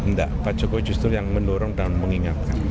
enggak pak jokowi justru yang mendorong dan mengingatkan